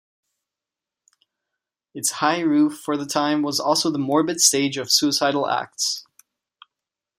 Its high roof for the time was also the morbid stage of suicidal acts.